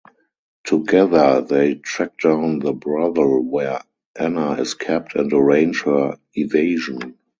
Together they track down the brothel where Anna is kept and arrange her evasion.